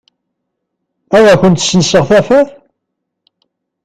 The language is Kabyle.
Ad kent-senseɣ tafat?